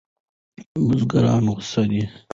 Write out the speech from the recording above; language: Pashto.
بزګران غوسه دي.